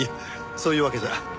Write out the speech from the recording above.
そういうわけじゃ。